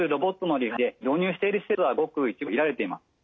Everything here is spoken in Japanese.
導入している施設はごく一部に限られています。